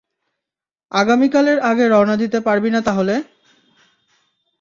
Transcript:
আগামীকালের আগে রওনা দিতে পারবি না তাহলে?